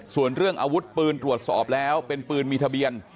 ส่วนเรื่องอาวุธปืนตรวจสอบแล้วเป็นปืนมีทะเบียน